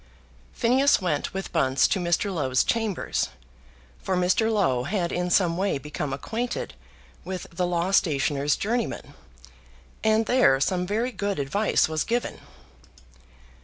Phineas went with Bunce to Mr. Low's chambers, for Mr. Low had in some way become acquainted with the law stationer's journeyman, and there some very good advice was given.